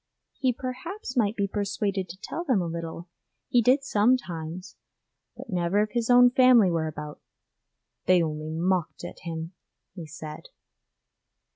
He perhaps might be persuaded to tell them a little, he did sometimes, but never if his own family were about 'they only mocked at him,' he said.